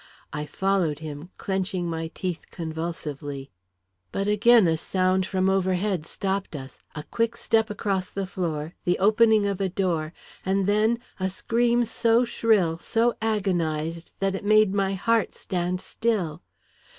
I followed him, clenching my teeth convulsively. But again a sound from overhead stopped us a quick step across the floor, the opening of a door, and then a scream so shrill, so agonised, that it made my heart stand still.